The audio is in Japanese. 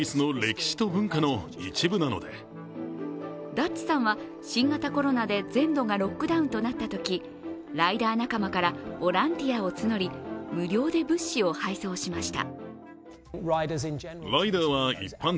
ダッチさんは新型コロナで全土がロックダウンとなったとき、ライダー仲間からボランティアを募り無料で物資を配送しました。